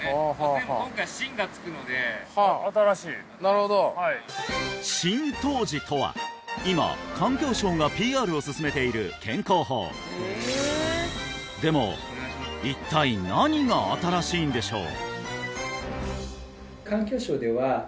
でも新しいなるほど新・湯治とは今環境省がＰＲを進めている健康法でも一体何が新しいんでしょう